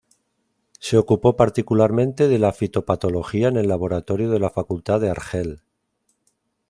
Se ocupó particularmente de la fitopatología en el laboratorio de la facultad de Argel.